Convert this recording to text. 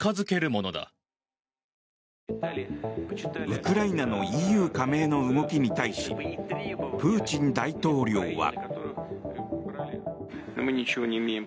ウクライナのＥＵ加盟の動きに対しプーチン大統領は。